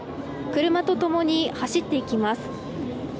車とともに走っていきます。